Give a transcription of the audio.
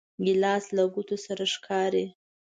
ګیلاس له ګوتمې سره ښکاري.